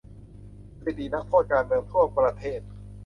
สถิตินักโทษการเมืองทั่วประเทศ